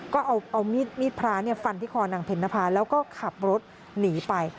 ก็เอามีดพระฟันที่คอนางเพ็ญนภาแล้วก็ขับรถหนีไป